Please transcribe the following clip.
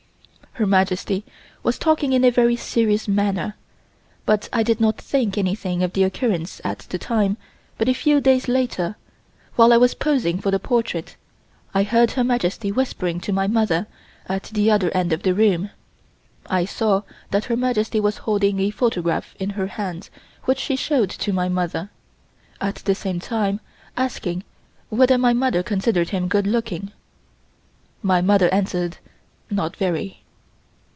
Her Majesty was talking in a very serious manner but I did not think anything of the occurrence at the time but a few days later while I was posing for the portrait I heard Her Majesty whispering to my mother at the other end of the room. I saw that Her Majesty was holding a photograph in her hands which she showed to my mother, at the same time asking whether my mother considered him good looking. My mother answered "not very."